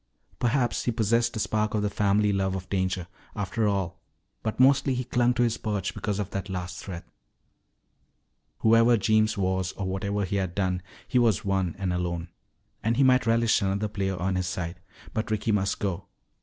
Perhaps he possessed a spark of the family love of danger, after all, but mostly he clung to his perch because of that last threat. Whoever Jeems was or whatever he had done, he was one and alone. And he might relish another player on his side. But Ricky must go.